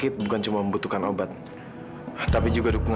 terima kasih ya sayang